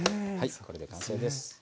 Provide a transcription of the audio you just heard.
これで完成です。